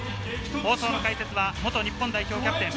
放送の解説は元日本代表キャプテン。